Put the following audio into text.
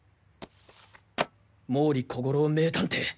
毛利小五郎名探偵